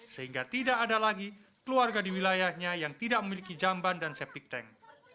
sehingga tidak ada lagi keluarga di wilayahnya yang tidak memiliki jamban dan septic tank